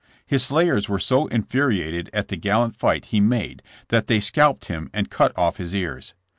His slayers were so infuriated at the gallant fight he made that they scalped him and cut off his ears.